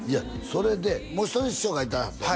それでもう一人師匠がいてはったんよね